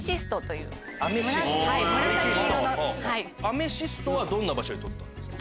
アメシストはどんな場所で採ったんですか？